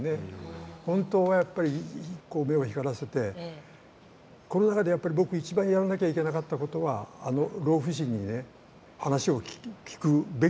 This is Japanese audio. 本当はやっぱり目を光らせてこの中でやっぱり僕一番やらなきゃいけなかったことはあの老婦人にね話を聞くべきだったと思うんですよ。